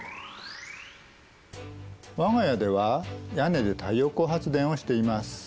我が家では屋根で太陽光発電をしています。